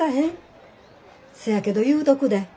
せやけど言うとくで。